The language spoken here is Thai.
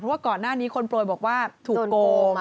ว่าก่อนหน้านี้คนโปรยบอกว่าถูกโกง